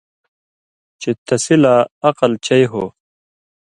چے تسی لا عقل چئ ہو۔